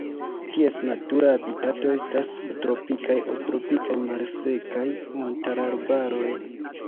Ties natura habitato estas subtropikaj aŭ tropikaj malsekaj montararbaroj.